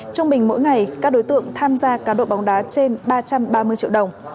trung bình mỗi ngày các đối tượng tham gia cá độ bóng đá trên ba trăm ba mươi triệu đồng